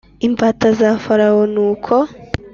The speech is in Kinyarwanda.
imbata za Farawo Nuko